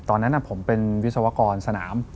ตอนนั้นผมเป็นวิศวกรสนาม